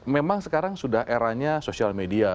memang sekarang sudah eranya sosial media